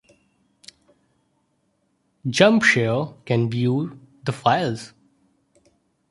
Jumpshare can view the files.